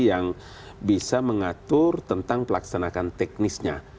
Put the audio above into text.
yang bisa mengatur tentang pelaksanakan teknisnya